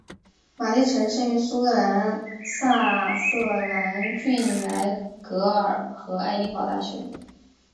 马地臣生于苏格兰萨瑟兰郡莱尔格和爱丁堡大学。